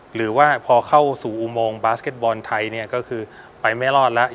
หรือว่าพอเข้าสู่อุโมงบาสเก็ตบอลไทยเนี่ยก็คือไปไม่รอดแล้ว